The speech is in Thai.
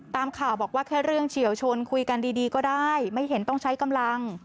ตามข่าวบอกว่าแค่เรื่องเฉียวชนคุยกันดีก็ได้ไม่เห็นต้องใช้กำลัง